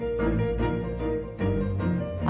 あ！